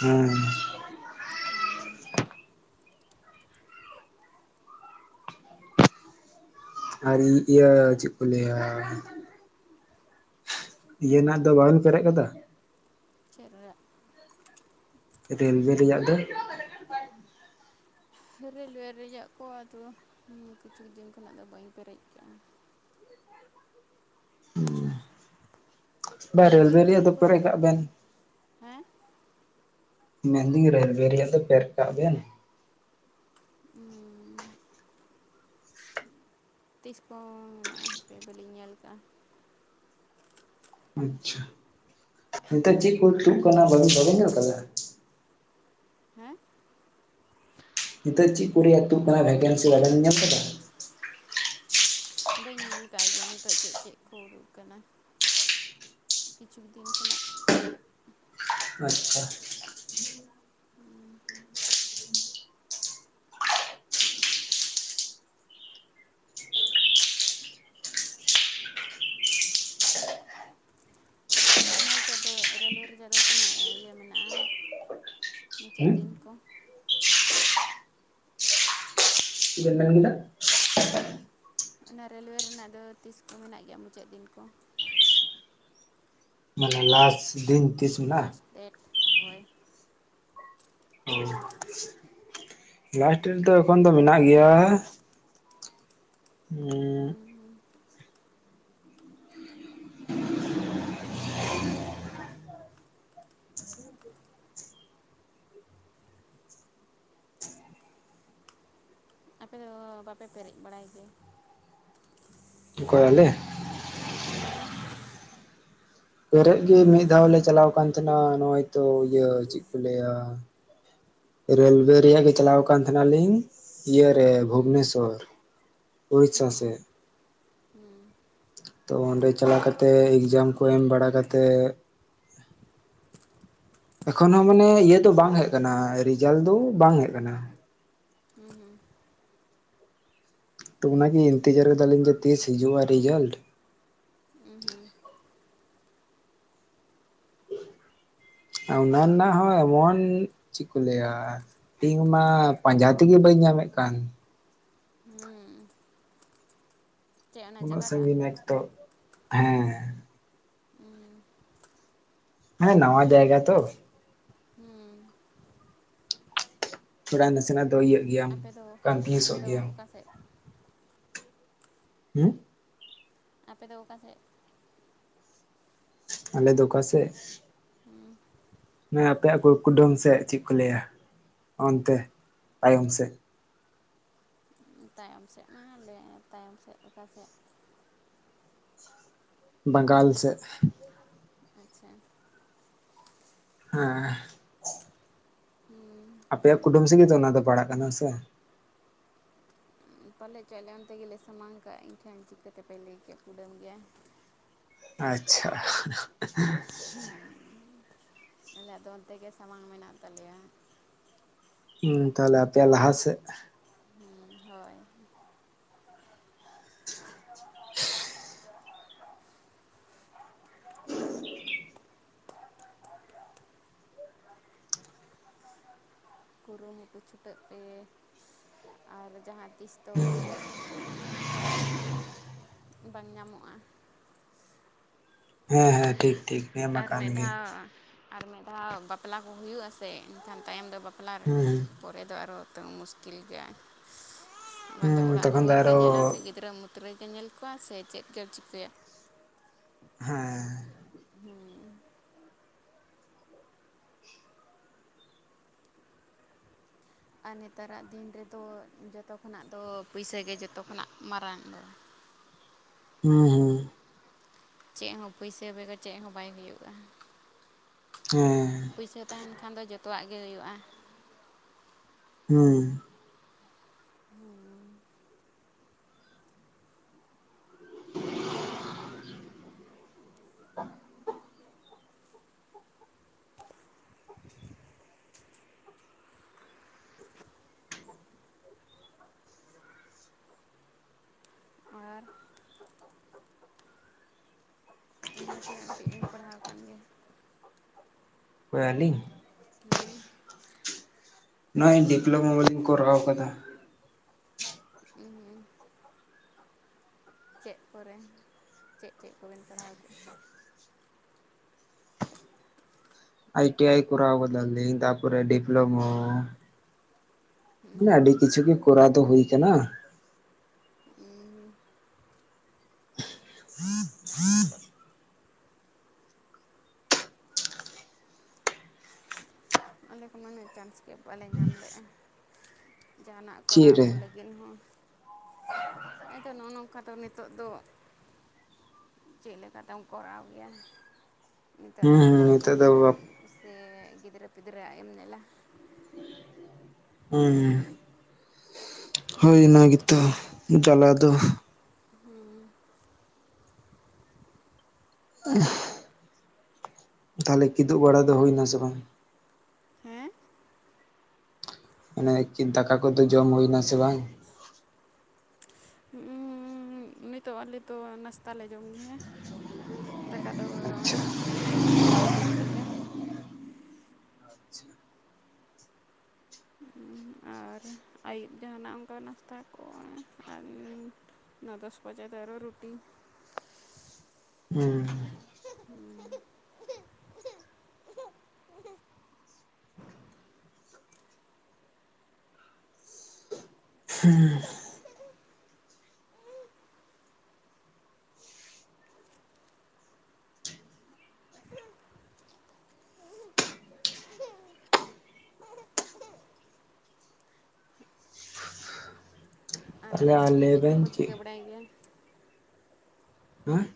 ᱦᱮᱸ ᱦᱮᱸ ᱟᱨ ᱤᱭᱟᱹ ᱪᱮᱫ ᱠᱚ ᱞᱟᱹᱭᱟ ᱤᱭᱟᱹᱱᱟᱜ ᱫᱚ ᱵᱟᱵᱚᱱ ᱯᱮᱨᱮᱡ ᱠᱟᱫᱟ? ᱪᱮᱫ ᱨᱮᱭᱟᱜ? ᱨᱮᱹᱞᱳᱣᱮ ᱨᱮᱭᱟᱜ ᱫᱚ ᱨᱮᱹᱞᱳᱭᱮ ᱨᱮᱭᱟᱜ ᱠᱚ ᱟᱫᱚ ᱠᱤᱪᱷᱩ ᱫᱤᱱ ᱠᱷᱚᱱᱟᱜ ᱫᱚ ᱵᱟᱹᱧ ᱯᱮᱨᱮᱡ ᱠᱟᱜᱼᱟ᱾ [unintelligible] ᱦᱩ! ᱵᱟ ᱟᱹᱰᱤ ᱨᱮᱞᱣᱮ ᱡᱷᱟᱹᱞ ᱨᱮᱭᱟᱜ ᱡᱷᱟᱹᱞ ᱫᱚ ᱠᱚᱨᱮ ᱯᱮᱨᱮᱡ ᱠᱟᱜ ᱵᱮᱱ? ᱦᱮᱸ ᱢᱮᱱᱫᱟᱹᱧ ᱨᱮᱹᱞᱣᱮ ᱨᱮᱭᱟᱜ ᱫᱚ ᱯᱮᱨᱮᱡ ᱠᱟᱜ ᱵᱮᱱ? ᱛᱤᱥ ᱠᱚᱦ ᱢᱮᱱᱟᱜᱼᱟ? ᱵᱟᱹᱞᱤᱧ ᱧᱮᱞ ᱠᱟᱜᱼᱟ᱾ ᱟᱪᱪᱷᱟ ᱱᱮᱛᱟᱨ ᱪᱮᱫ ᱠᱚ ᱛᱩᱫ ᱟᱠᱟᱱᱟ ᱵᱟ ᱵᱟᱵᱮᱱ ᱧᱮᱞ ᱠᱟᱫᱟ? ᱦᱮᱸ ᱱᱤᱛᱚᱜ ᱪᱮᱫ ᱠᱚ ᱨᱮᱭᱟᱜ ᱛᱩᱜ ᱠᱟᱱᱟ ᱵᱷᱮᱠᱮᱱᱥᱤ ᱵᱟ ᱧᱟᱢ ᱠᱟᱫᱟ? ᱵᱟᱹᱧ ᱧᱮᱞ ᱠᱟᱜ ᱜᱮᱭᱟ ᱱᱤᱛᱚᱜ ᱪᱮᱫ ᱪᱮᱫ ᱠᱚ ᱩᱰᱩᱠ ᱠᱟᱱᱟ᱾ ᱠᱤᱪᱷᱩ ᱫᱤᱱ ᱠᱷᱚᱱᱟᱜ ᱟᱪᱪᱷᱟ ᱚᱱᱟ ᱨᱮᱭᱟᱜ ᱫᱚ ᱨᱮᱹᱞᱳᱮ ᱨᱮᱭᱟᱜ ᱫᱚ ᱛᱤᱱᱟᱹᱜ ᱤᱭᱟᱹ ᱢᱮᱱᱟᱜᱼᱟ᱾ ᱢᱩᱪᱟᱹᱫ ᱦᱮᱸ ᱫᱤᱱ ᱠᱚ ᱪᱮᱫ ᱵᱮᱱ ᱢᱮᱱ ᱠᱮᱫᱟ ᱚᱱᱟ ᱨᱮᱹᱞᱳᱣᱮ ᱨᱮᱱᱟᱜ ᱫᱚ ᱛᱤᱥ ᱠᱚ ᱢᱮᱱᱟᱜ ᱜᱮᱭᱟ ᱢᱩᱪᱟᱹᱫ ᱫᱤᱱ ᱠᱚ ᱞᱟᱥᱴ ᱫᱤᱱ ᱛᱤᱥ ᱢᱮᱱᱟᱜᱼᱟ? ᱞᱟᱥᱴ ᱰᱮᱴ ᱦᱳᱭ ᱞᱟᱥᱴ ᱨᱮ ᱫᱚ ᱮᱠᱷᱚᱱ ᱫᱚ ᱢᱮᱱᱟᱜ ᱜᱮᱭᱟ᱾ ᱟᱯᱮ ᱫᱚ ᱵᱟᱯᱮ ᱯᱮᱨᱮᱡ ᱵᱟᱲᱟᱭ ᱜᱮᱭᱟ? ᱠᱚᱭ ᱟᱞᱮ? ᱦᱮᱸ ᱯᱮᱨᱮᱡ ᱜᱮ ᱢᱤᱫ ᱫᱷᱟᱣ ᱞᱮ ᱪᱟᱞᱟᱣ ᱠᱟᱱ ᱛᱟᱸᱦᱮᱱᱟ ᱱᱚᱜᱼᱚᱭ ᱛᱚ ᱤᱭᱟᱹ ᱪᱮᱫ ᱠᱚ ᱞᱟᱹᱭᱟ ᱨᱮᱹᱞᱣᱮ ᱨᱮᱭᱟᱜ ᱜᱮ ᱪᱟᱞᱟᱣ ᱟᱠ ᱛᱟᱦᱮᱱᱟ ᱞᱤᱧ ᱤᱭᱟᱹᱨᱮ ᱦᱩᱸ ᱵᱷᱩᱵᱱᱮᱥᱥᱚᱨ ᱯᱚᱨᱪᱷᱟ ᱦᱩᱸ ᱥᱮ ᱦᱩᱸ ᱛᱚ ᱚᱸᱰᱮ ᱪᱟᱞᱟᱣ ᱠᱟᱛᱮᱜ ᱮᱠᱡᱟᱢ ᱠᱚ ᱮᱢ ᱵᱟᱲᱟ ᱠᱟᱛᱮᱜ ᱮᱠᱷᱚᱱ ᱦᱚᱸ ᱢᱟᱱᱮ ᱤᱭᱟᱹ ᱫᱚ ᱵᱟᱝ ᱦᱮᱡ ᱟᱠᱟᱱᱟ ᱨᱮᱡᱟᱞᱴ ᱫᱚ ᱵᱟᱝ ᱦᱮᱡ ᱟᱠᱟᱱᱟ ᱦᱮᱸ ᱦᱩᱸ ᱚ ᱚᱱᱟᱜᱮ ᱤᱱᱛᱮᱡᱟᱨ ᱠᱟᱟᱞᱤᱧ ᱡᱮ ᱛᱤᱥ ᱦᱤᱡᱩᱜᱼᱟ, ᱨᱮᱡᱟᱞᱴ? ᱦᱩᱸ ᱦᱩᱸ ᱚᱱᱟ ᱨᱮᱱᱟᱜ ᱦᱚᱸ ᱮᱢᱚᱱ ᱪᱮᱫ ᱠᱚ ᱞᱟᱹᱭᱟ ᱛᱮᱦᱤᱧ ᱢᱟ ᱯᱟᱸᱡᱟ ᱛᱮᱜᱮ ᱵᱟᱹᱧ ᱧᱟᱢᱮᱫ ᱠᱟᱱ ᱦᱩᱸ ᱪᱮᱫ ᱚᱱᱟ ᱩᱱᱟᱹᱜ ᱡᱟᱭᱜᱟᱴᱟᱜ ᱥᱟᱺᱜᱤᱧ ᱮᱠ ᱛᱚ ᱦᱮᱸ ᱦᱩᱸ ᱦᱮᱸ ᱱᱟᱣᱟ ᱡᱟᱭᱜᱟ ᱛᱚ᱾ ᱦᱩᱸ ᱛᱷᱚᱲᱟ ᱱᱟᱥᱱᱟᱜ ᱫᱚᱭ ᱤᱭᱟ ᱟᱯᱮᱫᱚ ᱟᱯᱮᱫᱚ ᱚᱠᱟ ᱥᱮᱫ? ᱦᱮᱸ ᱟᱯᱮ ᱫᱚ ᱚᱠᱟ ᱥᱮᱫ? ᱟᱞᱮ ᱫᱚ ᱚᱠᱟ ᱥᱮᱫ᱾ ᱦᱩᱸ ᱢᱟᱱ ᱟᱯᱮᱭᱟᱜ ᱠᱩᱰᱟᱢ ᱥᱮᱫ ᱪᱮᱫ ᱠᱚ ᱞᱟᱹᱭᱟ ᱚᱱᱛᱮ ᱛᱟᱭᱚᱢ ᱥᱮᱫ ᱛᱟᱭᱚᱢ ᱥᱮᱫ ᱢᱟᱞᱮ ᱛᱟᱭᱚᱢ ᱥᱮᱫ ᱞᱮᱠᱟ ᱥᱮᱫ? ᱵᱟᱝᱜᱟᱞ ᱥᱮᱫ᱾ ᱟᱪᱷᱟ ᱦᱮᱸ ᱦᱩᱸ ᱟᱯᱮᱭᱟᱜ ᱠᱩᱴᱩᱢ ᱥᱮᱜᱮ ᱚᱱᱟ ᱫᱚ ᱯᱟᱲᱟᱜ ᱠᱟᱱᱟ ᱥᱮ? ᱯᱟᱞᱮᱫ ᱦᱚᱪᱚᱣᱟᱜ ᱞᱮ ᱚᱱᱛᱮ ᱜᱮᱞᱮ ᱥᱟᱢᱟᱝ ᱠᱟᱜᱼᱟ, ᱤᱧ ᱴᱷᱟᱱ ᱪᱤᱠᱛᱮᱯᱮ ᱞᱟᱹᱭ ᱠᱮᱜ ᱠᱩᱰᱟᱹᱢ ᱜᱮᱭᱟ? ᱟᱪᱪᱷᱟ! ᱟᱞᱮᱭᱟᱜ ᱫᱚ ᱚᱱᱛᱮ ᱜᱮ ᱥᱟᱢᱟᱝ ᱢᱮᱱᱟᱜ ᱛᱟᱞᱮᱭᱟ᱾ ᱦᱮᱸ ᱛᱟᱦᱚᱞᱮ ᱟᱯᱮᱭᱟᱜ ᱞᱟᱦᱟ ᱥᱮᱫ᱾ ᱦᱚᱸ ᱦᱳᱭ! [inaudible] ᱦ [inaudible] ᱠᱩᱨᱩᱢᱩᱴᱩ ᱪᱷᱩᱴᱟᱹᱜ ᱯᱮ ᱟᱨ ᱡᱟᱦᱟᱸ ᱛᱤᱥ ᱫᱚ ᱵᱟᱝ ᱧᱟᱢᱚᱜᱼᱟ ᱦᱮᱸ ᱦᱮᱸ ᱴᱷᱤᱠ ᱴᱷᱤᱠ ᱦᱮ ᱢᱟ ᱟᱨ ᱠᱟᱱ ᱢᱤᱫ ᱜᱮ ᱫᱷᱟᱣ ᱟᱨ ᱢᱤᱫ ᱫᱷᱟᱣ ᱵᱟᱯᱞᱟ ᱠᱚ ᱦᱩᱭᱩᱜᱼᱟ ᱥᱮ ᱮᱱᱠᱷᱟᱱ ᱛᱟᱭᱚᱢ ᱫᱚ ᱵᱟᱯᱞᱟ ᱦᱩᱸ ᱯᱚᱨᱮ ᱫᱚ ᱟᱨᱚ ᱛᱚ ᱢᱩᱥᱠᱤᱞ ᱜᱮᱭᱟ ᱵᱟᱝᱫᱚ ᱦᱩᱸ ᱚᱲᱟᱜ ᱛᱚᱠᱷᱚᱱ ᱫᱚ ᱫᱩᱣᱟᱹᱨ ᱜᱮ ᱟᱨᱚ ᱧᱮᱞᱟᱢ ᱥᱮ ᱜᱤᱫᱽᱨᱟᱹᱢ ᱛᱚᱵᱮ ᱯᱮ ᱧᱮᱞ ᱠᱚᱣᱟ ᱥᱮ ᱪᱮᱫ ᱜᱮ ᱪᱤᱠᱟᱹᱭᱟ ᱦᱮᱸ ᱦᱩᱸ ᱟᱨ ᱱᱮᱛᱟᱨᱟᱜ ᱫᱤᱱ ᱨᱮᱫᱚ ᱡᱚᱛᱚ ᱠᱷᱚᱱᱟᱜ ᱫᱚ ᱯᱩᱭᱥᱟᱹ ᱜᱮ ᱡᱚᱛᱚ ᱠᱷᱚᱱᱟᱜ ᱢᱟᱨᱟᱝ ᱫᱚ ᱦᱮᱸ ᱦᱮᱸ ᱪᱮᱫ ᱦᱚᱸ ᱯᱩᱭᱥᱟᱹ ᱵᱮᱜᱚᱨ ᱪᱮᱫ ᱦᱚᱸ ᱵᱟᱭ ᱦᱩᱭᱩᱜ-ᱟ ᱦᱮᱸ ᱯᱩᱭᱥᱟᱹ ᱛᱟᱦᱮᱱ ᱠᱷᱟᱱ ᱫᱚ ᱡᱚᱛᱚᱣᱟᱜ ᱜᱮ ᱦᱩᱭᱩᱜ-ᱟ ᱦᱮᱸ [unintelligible] [inaudible] ᱟᱨ ᱤᱱᱟᱹ ᱛᱤᱱᱟᱹᱜ ᱫᱷᱟᱹᱵᱤᱡ ᱵᱤᱱ ᱯᱟᱲᱦᱟᱣ ᱟᱠᱟᱱ ᱜᱮᱭᱟ ᱠᱚᱭ ᱟᱞᱤᱧ ᱱᱚᱜ-ᱚᱭ ᱰᱤᱯᱞᱳᱢᱟ ᱵᱟᱞᱤᱧ ᱠᱚᱨᱟᱣ ᱠᱟᱫᱟ᱾ ᱦᱮᱸ ᱪᱮᱫ ᱠᱚᱨᱮ ᱪᱮᱫ ᱪᱮᱫ ᱠᱚᱵᱮᱱ ᱯᱟᱲᱦᱟᱣ ᱠᱮᱫ-ᱟ ᱟᱭ ᱴᱤ ᱟᱭ ᱠᱚᱨᱟᱣ ᱟᱠᱟᱫᱟᱞᱤᱧ ᱛᱟᱨᱯᱚᱨᱮ ᱰᱤᱯᱞᱳᱢᱟ ᱢᱟᱱᱮ ᱟᱹᱰᱤ ᱠᱤᱪᱷᱩ ᱜᱮ ᱠᱚᱨᱟᱣ ᱫᱚ ᱦᱩᱭ ᱠᱟᱱᱟ᱾ [inaudible] ᱟᱞᱮ ᱠᱚᱢᱟ ᱩᱱᱟᱹᱜ ᱪᱟᱱᱥ ᱜᱮ ᱵᱟᱞᱮ ᱧᱟᱢ ᱞᱮᱜ-ᱟ ᱡᱟᱦᱟᱱᱟᱜ ᱪᱮᱫ ᱠᱚᱨᱟᱣ ᱨᱮ ᱠᱚ ᱞᱟᱹᱜᱤᱫ ᱦᱚᱸ ᱟᱫᱚ ᱱᱚᱜ-ᱚ ᱱᱚᱝᱠᱟ ᱫᱚ ᱱᱤᱛᱚᱜ ᱫᱚ ᱪᱮᱫ ᱞᱮᱠᱟᱛᱮᱢ ᱠᱚᱨᱟᱣ ᱜᱮᱭᱟ ᱱᱤᱛᱚᱜ ᱫᱚ ᱦᱩᱸ ᱦᱩᱸ ᱟᱢᱟᱜ ᱜᱮ ᱱᱤᱛᱚᱜ ᱫᱚ ᱧᱮᱞᱟᱢ ᱥᱮ ᱜᱤᱫᱽᱨᱟᱹ-ᱯᱤᱫᱽᱨᱟᱹ ᱣᱟᱜ ᱮᱢ ᱧᱮᱞᱟ ᱦᱚᱸ ᱦᱳᱭ ᱚᱱᱟ ᱜᱮᱛᱚ ᱡᱟᱞᱟ ᱫᱚ ᱛᱟᱦᱞᱮ ᱠᱤᱫᱩᱜ ᱵᱟᱲᱟ ᱫᱚ ᱦᱩᱭ ᱱᱟ ᱥᱮ ᱵᱟᱝ ᱦᱮᱸ ᱢᱟᱱᱮ ᱠᱤ ᱫᱟᱠᱟ ᱠᱚᱫᱚ ᱡᱚᱢ ᱦᱩᱭᱱᱟ ᱥᱮ ᱵᱟᱝ ᱦᱚᱸ ᱱᱤᱛᱚᱜ ᱟᱞᱮ ᱛᱚ ᱱᱟᱥᱛᱟ ᱞᱮ ᱡᱚᱢ ᱜᱮᱭᱟ ᱫᱟᱠᱟ ᱫᱚ ᱟᱪᱪᱷᱟ ᱫᱩ ᱛᱤᱱ ᱵᱟᱡᱮ ᱟᱨ ᱟᱹᱭᱩᱵ ᱡᱟᱦᱟᱱᱟᱜ ᱚᱱᱠᱟ ᱱᱟᱥᱛᱟ ᱠᱚ ᱟᱨ ᱱᱚ ᱫᱚᱥ ᱵᱟᱡᱮ ᱫᱚ ᱟᱨᱦᱚ ᱨᱩᱴᱤ ᱦᱮᱸ [unintelligible] ᱟᱨ ᱛᱟᱦᱚᱞᱮ ᱟᱯᱮ ᱥᱮᱫ ᱫᱚ ᱞᱟᱹᱭ ᱪᱮᱫ ᱵᱮᱱ ᱠᱚᱠᱚ ᱪᱤᱠᱟᱹ ᱵᱟᱲᱟᱭ ᱜᱮᱭᱟ ᱦᱮᱸ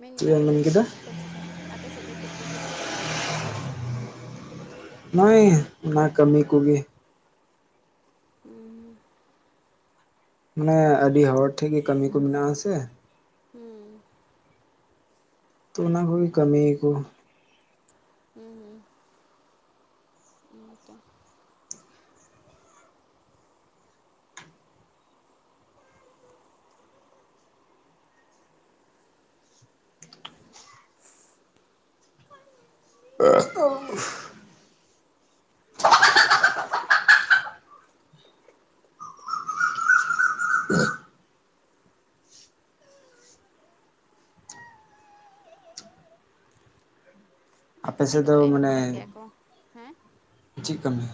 ᱢᱮᱱᱮᱹᱧ ᱪᱮᱫ ᱮᱢ ᱟᱯᱮ ᱢᱮᱱ ᱥᱮᱫ ᱫᱚ ᱠᱮᱫᱟ ᱪᱮᱫ ᱠᱚᱠᱚ ᱪᱤᱠᱟ ᱟᱯᱮ ᱥᱮᱫ ᱫᱚ ᱪᱮᱫ ᱠᱚᱠᱚ ᱪᱤᱠᱟᱹᱭᱟ ᱱᱚᱜ-ᱚᱭ ᱚᱱᱟ ᱠᱟᱹᱢᱤ ᱠᱚᱜᱮ ᱦᱩᱸ ᱢᱟᱱᱮ ᱟᱹᱰᱤ ᱦᱚᱲ ᱴᱷᱮᱡ ᱜᱮ ᱠᱟᱹᱢᱤ ᱠᱚ ᱢᱮᱱᱟᱜ ᱟᱥᱮ ᱦᱩᱸ ᱛᱚ ᱚᱱᱟ ᱠᱚᱜᱮ ᱠᱟᱹᱢᱤ ᱟᱠᱚ ᱦᱩᱸ ᱦᱩᱸ ᱛᱚ [unintelligible] ᱟᱨ ᱟᱯᱮ ᱠᱟᱹᱢᱤ ᱥᱮᱫ ᱫᱚ ᱠᱚᱫᱚ ᱮᱦᱚᱵ ᱢᱟᱱᱮ ᱵᱟᱲᱟ ᱠᱮᱫ-ᱟ ᱠᱚ ᱦᱮᱸ ᱪᱮᱫ ᱠᱟᱹᱢᱤ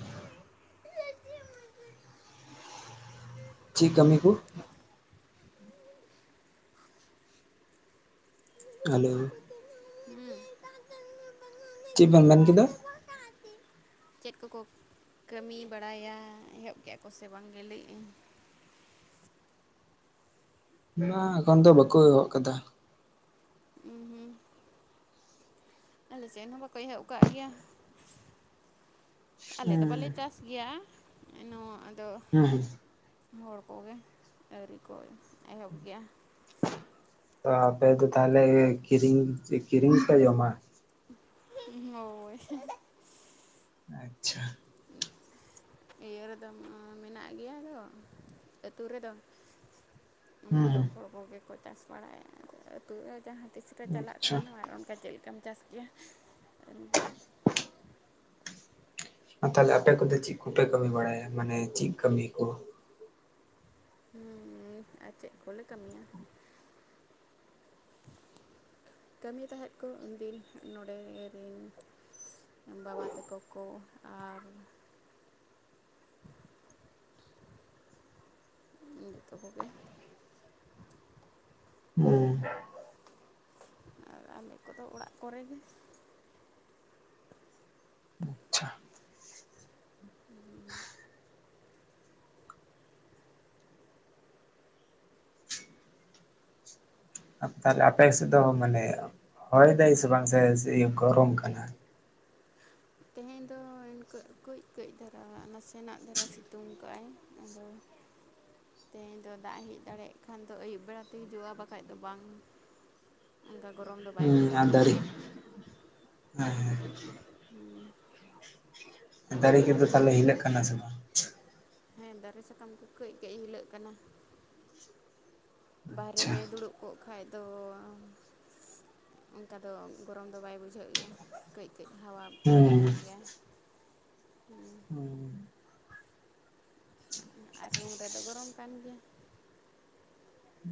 ᱪᱮᱫ ᱠᱟᱹᱢᱤ ᱠᱚ ᱦᱮᱞᱳ ᱦᱩᱸ ᱪᱮᱫ ᱵᱮᱱ ᱢᱮᱱ ᱠᱮᱫᱟ? ᱪᱮᱫ ᱠᱚᱠᱚ ᱠᱟᱹᱢᱤ ᱵᱟᱲᱟᱭᱟ ᱮᱦᱚᱵ ᱠᱮᱫ-ᱟ ᱠᱚ ᱥᱮ ᱵᱟᱝ ᱞᱟᱹᱭ ᱤᱭᱟᱹᱧ ᱵᱟᱝ ᱮᱠᱷᱚᱱ ᱫᱚ ᱵᱟᱠᱚ ᱮᱦᱚᱵ ᱟᱠᱟᱫᱟ᱾ ᱦᱩᱸ ᱟᱞᱮ ᱥᱮᱫ ᱦᱚᱸ ᱵᱟᱠᱚ ᱮᱦᱚᱵ ᱠᱟᱜ ᱜᱮᱭᱟ᱾ ᱟᱞᱮ ᱫᱚ ᱵᱟᱞᱮ ᱦᱮᱸ ᱪᱟᱥ ᱜᱮᱭᱟ ᱮᱱᱦᱚ ᱦᱮᱸ ᱦᱮᱸ ᱦᱚᱲ ᱠᱚᱜᱮ ᱟᱹᱣᱨᱤ ᱠᱚ ᱮᱦᱚᱵ ᱜᱮᱭᱟ᱾ ᱛᱚ ᱟᱯᱮ ᱫᱚ ᱛᱟᱦᱚᱞᱮ ᱠᱤᱨᱤᱧ ᱠᱤᱨᱤᱧᱯᱮ ᱡᱚᱢᱟ? ᱦᱳᱭ ᱟᱪᱪᱷᱟ ᱤᱭᱟᱹ ᱨᱮᱫᱚ ᱢᱮᱱᱟᱜ ᱜᱮᱭᱟ ᱟᱫᱚ ᱟᱹᱛᱩ ᱨᱮᱫᱚ ᱚᱱᱟ ᱦᱩᱸ ᱫᱚ ᱦᱚᱲ ᱦᱩᱸ ᱠᱚᱜᱮ ᱠᱚ ᱪᱟᱥ ᱵᱟᱲᱟᱭᱟ ᱟᱹᱛᱩ ᱡᱟᱦᱟᱸ ᱛᱤᱥ ᱨᱮ ᱪᱟᱞᱟᱜ ᱟᱪᱪᱷᱟ ᱠᱷᱟᱱ ᱟᱨ ᱚᱱᱠᱟ ᱪᱮᱫ ᱞᱮᱠᱟᱢ ᱪᱟᱥ ᱠᱮᱭᱟ ᱛᱟᱦᱞᱮ ᱟᱯᱮ ᱠᱚᱫᱚ ᱪᱮᱫ ᱠᱚᱯᱮ ᱠᱟᱹᱢᱤ ᱵᱟᱲᱟᱭᱟ ᱢᱟᱱᱮ ᱪᱮᱫ ᱠᱟᱹᱢᱤ ᱠᱚ? ᱦᱮᱸ ᱟᱨ ᱪᱮᱫ ᱠᱚᱞᱮ ᱠᱟᱹᱢᱤᱭᱟ ᱠᱟᱹᱢᱤ ᱛᱟᱦᱮᱸᱫ ᱠᱚ ᱩᱱᱫᱤᱱ ᱱᱚᱰᱮ ᱨᱮᱱ ᱵᱟᱵᱟ ᱛᱟᱠᱚ ᱠᱚ ᱟᱨ [inaudible] ᱡᱚᱛᱚ ᱠᱚᱜᱮ ᱦᱮᱸ ᱟᱨ ᱟᱞᱮ ᱠᱚᱫᱚ ᱚᱲᱟᱜ ᱠᱚᱨᱮ ᱜᱮ ᱟᱪᱪᱷᱟ ᱛᱟᱦᱞᱮ ᱟᱯᱮ ᱥᱮᱫ ᱫᱚ ᱢᱟᱱᱮ ᱦᱳᱭ ᱫᱟᱭ ᱥᱮ ᱵᱟᱝ ᱥᱮ ᱜᱚᱨᱚᱢ ᱠᱟᱱᱟ? ᱛᱮᱦᱮᱧ ᱫᱚ ᱠᱟᱹᱡ ᱠᱟᱹᱡ ᱫᱷᱟᱨᱟ ᱱᱟᱥᱮᱱᱟᱜ ᱫᱷᱟᱨᱟ ᱥᱤᱛᱩᱝ ᱠᱟᱜᱼᱟᱭ ᱟᱫᱚ [inaudible] ᱛᱮᱦᱮᱧ ᱫᱚ ᱫᱟᱜ ᱦᱮᱡ ᱫᱟᱲᱮᱭᱟᱜ ᱠᱷᱟᱱ ᱫᱚ ᱟᱹᱭᱩᱵ ᱵᱮᱲᱟ ᱛᱮ ᱦᱤᱡᱩᱜᱼᱟ ᱵᱟᱠᱷᱟᱡ ᱫᱚ ᱵᱟᱝ ᱚᱱᱠᱟ [unintelligible] ᱜᱚᱨᱚᱢ ᱫᱚ ᱵᱟᱭ ᱦᱩᱸ ᱵᱩᱡᱷᱟᱹᱜ ᱠᱟᱱᱟ᱾ ᱦᱮᱸ ᱦᱮᱸᱸ ᱦᱮᱸ ᱫᱟᱨᱮ ᱠᱚ ᱛᱟᱦᱞᱮ ᱦᱤᱞᱟᱹᱜ ᱠᱟᱱᱟ ᱥᱮ ᱵᱟᱝ? ᱦᱮᱸ ᱫᱟᱨᱮ ᱥᱟᱠᱟᱢ ᱠᱚ ᱠᱟᱹᱡ ᱠᱟᱹᱡ ᱦᱤᱞᱟᱹᱜ ᱠᱟᱱᱟ᱾ ᱵᱟᱦᱨᱮ ᱟᱪᱪᱷᱟ ᱨᱮ ᱫᱩᱲᱩᱵ ᱠᱚᱜ ᱠᱷᱟᱡ ᱫᱚ [inaudible] ᱚᱱᱠᱟ ᱫᱚ ᱜᱚᱨᱚᱢ ᱫᱚ ᱵᱟᱭ ᱵᱩᱡᱷᱟᱹᱜ ᱜᱮᱭᱟ ᱠᱟᱹᱡ ᱠᱟᱹᱡ ᱦᱟᱣᱟ ᱵᱟᱡᱟᱜ ᱠᱟᱱ ᱜᱮᱭᱟ᱾ ᱦᱮᱸ ᱟᱨ ᱨᱩᱢ ᱨᱮᱫᱚ ᱜᱚᱨᱚᱢ ᱠᱟᱱ ᱜᱮᱭᱟ᱾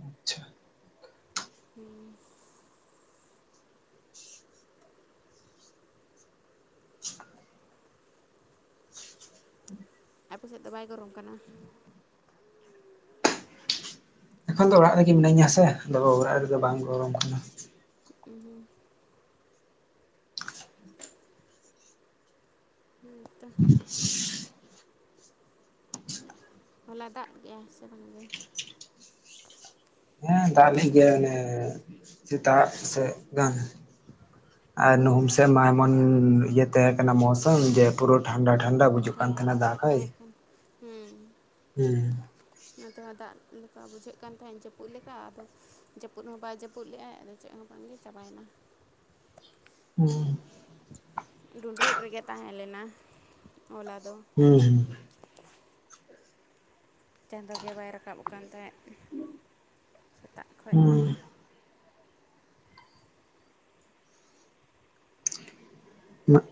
ᱟᱪᱪᱷᱟ ᱦᱮᱸ ᱟᱯᱮ ᱥᱮᱫ ᱫᱚ ᱵᱟᱭ ᱜᱚᱨᱚᱢ ᱠᱟᱱᱟ? ᱮᱠᱷᱚᱱ ᱫᱚ ᱚᱲᱟᱜ ᱨᱮᱜᱮ ᱢᱤᱱᱟᱹᱧᱟ ᱥᱮ ᱟᱫᱚ ᱚᱲᱟᱜ ᱨᱮᱫᱚ ᱵᱟᱝ ᱜᱚᱨᱚᱢ ᱠᱟᱱᱟ᱾ ᱩᱸᱩᱸ ᱦᱮᱸ ᱛᱚ ᱦᱚᱞᱟ ᱫᱟᱜ ᱠᱮᱜ ᱟᱭ ᱥᱮ ᱵᱟᱝᱜᱮ? ᱦᱮᱸ ᱫᱟᱜ ᱞᱮᱜ ᱜᱤᱭᱟᱭ ᱚᱱᱮ ᱥᱮᱛᱟᱜ ᱥᱮ ᱜᱟᱱ ᱟᱨ ᱱᱩᱦᱩᱢ ᱥᱮᱫ ᱢᱟ ᱮᱢᱚᱱ ᱤᱭᱟᱹ ᱛᱟᱦᱮᱸ ᱠᱟᱱᱟ ᱢᱣᱥᱩᱢ ᱡᱮ ᱯᱩᱨᱟᱹ ᱴᱷᱟᱱᱰᱟ ᱴᱷᱟᱱᱰᱟ ᱵᱩᱡᱩᱜ ᱠᱟᱱ ᱛᱟᱦᱮᱱᱟ ᱫᱟ ᱜᱟᱭ ᱦᱩᱸ ᱚᱱᱟᱛᱮᱦᱚᱸ ᱫᱟᱜ ᱞᱮᱠᱟ ᱵᱩᱡᱷᱟᱹᱜ ᱠᱟᱱ ᱛᱟᱦᱮᱸᱫ ᱡᱟᱹᱯᱩᱫ ᱞᱮᱠᱟ ᱟᱫᱚ ᱡᱟᱹᱯᱩᱫ ᱦᱚᱸ ᱵᱟᱭ ᱡᱟᱹᱯᱩᱫ ᱞᱮᱟᱭ ᱟᱫᱚ ᱪᱮᱫ ᱦᱚᱸ ᱵᱟᱝᱜᱮ ᱪᱟᱵᱟᱭᱮᱱᱟ᱾ ᱦᱮᱸ ᱰᱩᱸᱰᱨᱩᱜ ᱨᱮᱜᱮ ᱛᱟᱦᱮᱸ ᱞᱮᱱᱟ᱾ ᱦᱚᱞᱟ ᱫᱚ ᱦᱮᱸ ᱦᱩᱸ ᱪᱟᱸᱫᱳ ᱜᱮ ᱵᱟᱭ ᱨᱟᱠᱟᱵ ᱟᱠᱟᱱ ᱛᱟᱦᱮᱸᱫ ᱥᱮᱛᱟᱜ ᱠᱷᱚᱱ ᱦᱩᱸ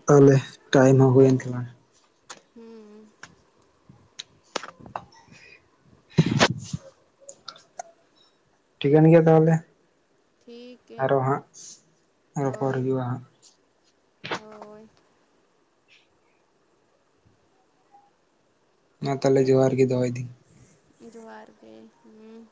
ᱛᱟᱦᱞᱮ ᱴᱟᱭᱤᱢ ᱦᱚᱸ ᱦᱩᱭ ᱮᱱ ᱛᱟᱞᱟᱝ-ᱟ᱾ ᱦᱮᱸ [inaudible] ᱴᱷᱤᱠᱟᱹᱱ ᱜᱮᱭᱟ ᱛᱟᱦᱚᱞᱮ ᱴᱷᱤᱠ ᱜᱮ ᱟᱨᱚ ᱦᱟᱸᱜ ᱨᱚᱯᱚᱲ ᱦᱳᱭ ᱦᱩᱭᱩᱜᱼᱟ ᱦᱟᱸᱜ ᱦᱳᱭ ᱢᱟ ᱛᱟᱦᱚᱞᱮ ᱡᱚᱦᱟᱨ ᱜᱮ ᱫᱚᱦᱚᱭᱫᱟᱹᱧ ᱡᱚᱦᱟᱨ ᱜᱮ ᱦᱮᱸ